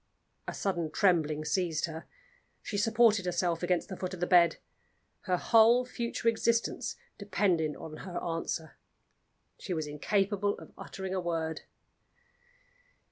A sudden trembling seized her. She supported herself against the foot of the bed. Her whole future existence depended on her answer. She was incapable of uttering a word.